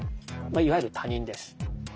いわゆる他人です。